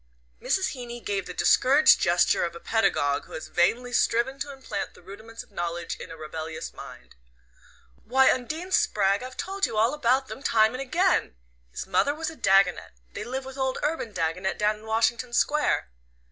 Mrs. Heeny gave the discouraged gesture of a pedagogue who has vainly striven to implant the rudiments of knowledge in a rebellious mind. "Why, Undine Spragg, I've told you all about them time and again! His mother was a Dagonet. They live with old Urban Dagonet down in Washington Square."